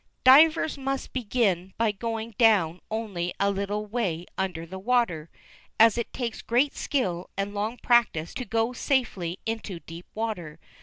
Divers must begin by going down only a little way under the water, as it takes great skill and long practice to be able to go safely into deep water.